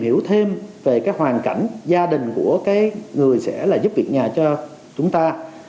hiểu thêm về cái hoàn cảnh gia đình của cái người sẽ là giúp việc nhà cho chúng ta